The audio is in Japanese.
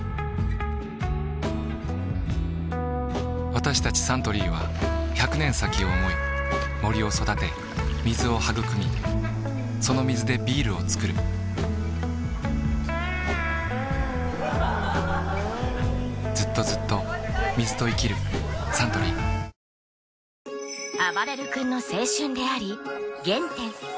私たちサントリーは１００年先を想い森を育て水をはぐくみその水でビールをつくる・ずっとずっと水と生きるサントリーあばれる君の青春であり原点